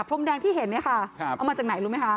พรมแดงที่เห็นเนี่ยค่ะเอามาจากไหนรู้ไหมคะ